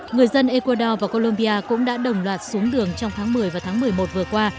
người dân ecuador và colombia cũng đã đồng loạt xuống đường trong tháng một mươi và tháng một mươi một vừa qua